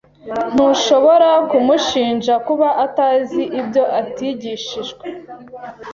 Ntushobora kumushinja kuba atazi ibyo atigishijwe.